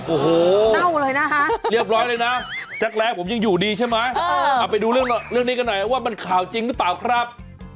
โอ้โหเรียบร้อยเลยนะจักรแรกผมยังอยู่ดีใช่ไหมเออเอาไปดูเรื่องนี้กันหน่อยว่ามันข่าวจริงหรือเปล่าครับ